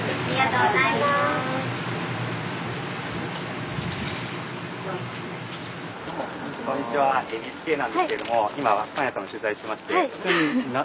ＮＨＫなんですけれども今パン屋さんの取材してまして。